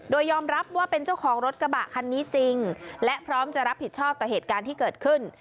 โดยยอมรับว่าเป็นเจ้าของรถกระบะคันนี้จริงและพร้อมจะรับผิดชอบต่อเหตุการณ์ที่เกิดขึ้น